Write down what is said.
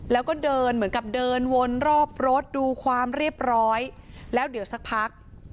แล้วก็เดินเหมือนกับเดินวนรอบรถดูความเรียบร้อยแล้วเดี๋ยวสักพัก